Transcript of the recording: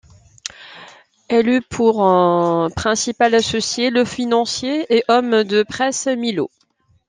Elle eut pour principal associé le financier et homme de presse Millaud.